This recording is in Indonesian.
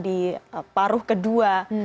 di paruh kedua